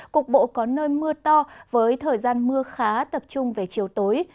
cục bộ có nơi mưa to với thời gian mưa khá tập trung về chiều tối